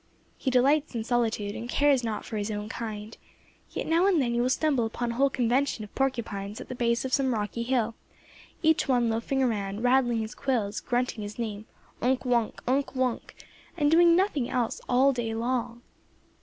He delights in solitude, and cares not for his own kind; yet now and then you will stumble upon a whole convention of porcupines at the base of some rocky hill, each one loafing around, rattling his quills, grunting his name Unk Wunk! Unk Wunk! and doing nothing else all day long.